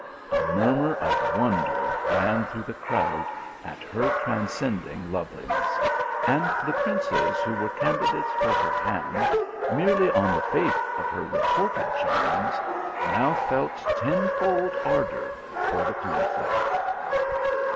A murmur of wonder ran through the crowd at her transcendent loveli ness ; and the princes who were candidates for her 214 THE ALHAMBRA. )iand merely on the faith of her reported charms, now felt ten fold ardour for the conflict.